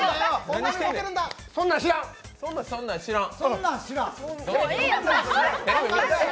そんなん知らん！